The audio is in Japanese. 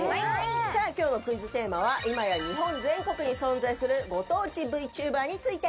さあ、今日のクイズテーマは今や日本全国に存在するご当地ＶＴｕｂｅｒについて。